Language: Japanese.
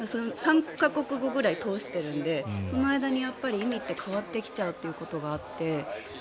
３か国語くらい通しているのでその間に意味って変わってきちゃうということがあって。